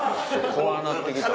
怖くなって来た。